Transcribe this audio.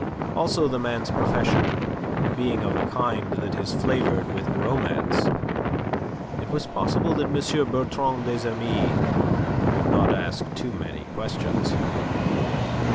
Also the man's profession being of a kind that is flavoured with romance it was possible that M. Bertrand des Amis would not ask too many questions.